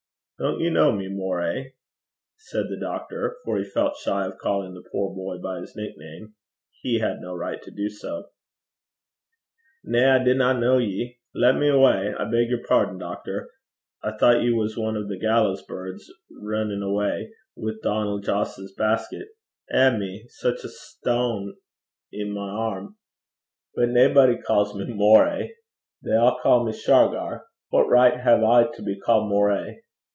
'Don't you know me, Moray?' said the doctor, for he felt shy of calling the poor boy by his nickname: he had no right to do so. 'Na, I dinna ken ye. Lat me awa'. I beg yer pardon, doctor: I thocht ye was ane o' thae wuddyfous rinnin' awa' wi' Donal' Joss's basket. Eh me! sic a stoun' i' my airm! But naebody ca's me Moray. They a' ca' me Shargar. What richt hae I to be ca'd Moray?'